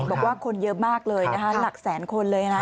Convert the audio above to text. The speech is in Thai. บอกว่าคนเยอะมากเลยนะคะหลักแสนคนเลยนะ